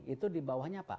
itu di bawahnya apa